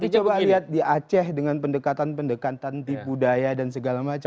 tapi coba lihat di aceh dengan pendekatan pendekatan tipu daya dan segala macam